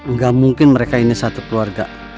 nggak mungkin mereka ini satu keluarga